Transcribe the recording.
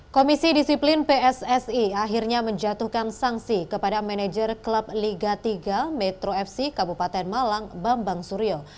komisi disiplin pssi akhirnya menjatuhkan sanksi kepada manajer klub liga tiga metro fc kabupaten malang bambang suryo